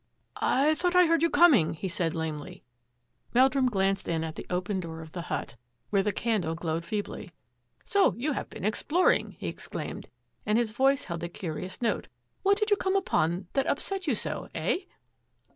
" I thought I heard you coming," he said lamely. Meldrum glanced in at the open door of the hut 144 A GAME OF PIQUET 146 where the candle glowed feebly. " So you have been exploring !'' he exclaimed, and his voice held a curious note. " What did you come upon that up set you so, eh?